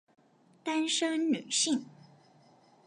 單身女性